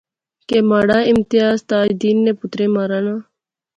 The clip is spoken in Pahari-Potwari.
کہ مہاڑا امتیاز تاج دین نے پتریں مارانا